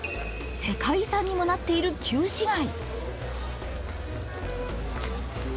世界遺産にもなっている旧市街。